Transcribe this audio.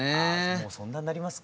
もうそんなんなりますか。